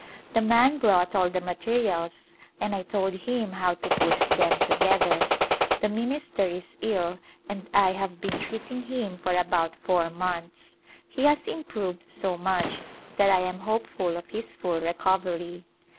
The man brought all the materials and I told him how to put them together. The minister is ill and I have been treating him for about four months. He has improved so much that I am hopeful of his full recovery.